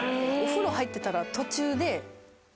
お風呂入ってたら途中で。